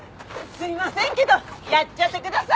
すいませんけどやっちゃってください。